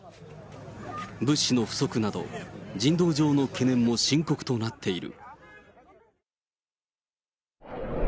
物資の不足など、人道上の懸念も深刻となっている。